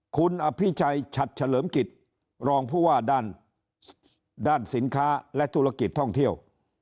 คุณอภิชัยฉัดเฉลิมกิจรองผู้ว่าด้านสินค้าและธุรกิจท่องเที่ยว